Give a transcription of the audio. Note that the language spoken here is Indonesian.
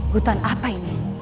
hutan apa ini